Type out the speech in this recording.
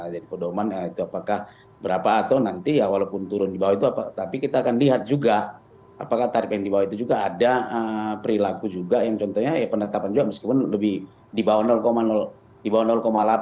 jadi bu dauman itu apakah berapa atau nanti ya walaupun turun dibawah itu tapi kita akan lihat juga apakah tarif yang dibawah itu juga ada perilaku juga yang contohnya ya penetapan juga meskipun lebih dibawah